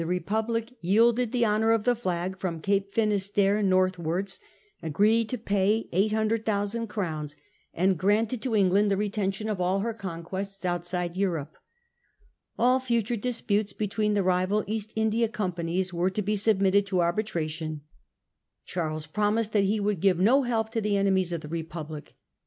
Republic yielded the honour of the flag from Cape Finisterre northwards, Charles 11. agreed to pay 800,000 crowns, and granted compelled to to England the retention of all her conquests with the outside Europe. All future disputes between February" 19, rival East India Companies were to be i 6 74 submitted to arbitration. Charles promised that he would give no help to the enemies of the Re public.